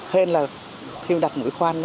hên là khi đặt mũi khoan